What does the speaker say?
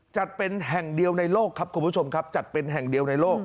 จัดเป็นแห่งเดียวในโลกครับคุณผู้ชมครับจัดเป็นแห่งเดียวในโลก